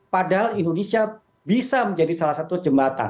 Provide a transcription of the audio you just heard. padahal indonesia bisa menjadi salah satu jembatan